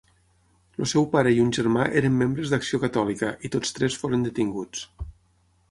El seu pare i un germà eren membres d'Acció Catòlica, i tots tres foren detinguts.